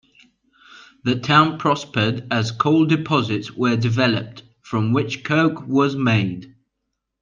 The town prospered as coal deposits were developed, from which coke was made.